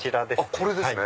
これですね！